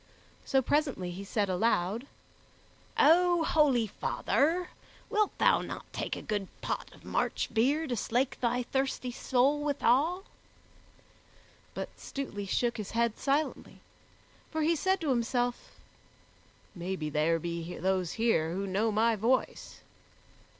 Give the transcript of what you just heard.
So, presently, he said aloud, "O holy father, wilt thou not take a good pot of March beer to slake thy thirsty soul withal?" But Stutely shook his head silently, for he said to himself, "Maybe there be those here who know my voice."